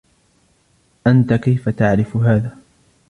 أنتَ كيف تعرف هذا ؟